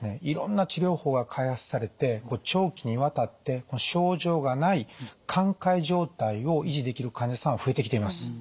いろんな治療法が開発されて長期にわたって症状がない寛解状態を維持できる患者さんが増えてきています。